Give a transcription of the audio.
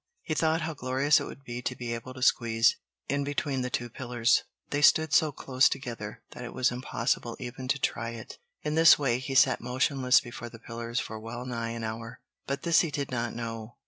He thought how glorious it would be to be able to squeeze in between the two pillars, but they stood so close together that it was impossible even to try it. In this way, he sat motionless before the pillars for well nigh an hour; but this he did not know.